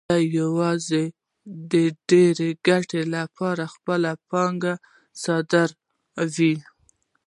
دوی یوازې د ډېرې ګټې لپاره خپله پانګه صادروي